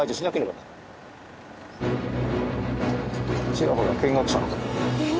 ちらほら見学者の方も。